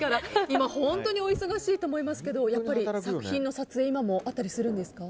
今、本当にお忙しいと思いますがやっぱり作品の撮影は今もあったりするんですか？